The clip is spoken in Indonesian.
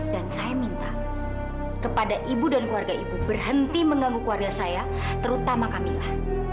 dan saya minta kepada ibu dan keluarga ibu berhenti mengganggu keluarga saya terutama camilla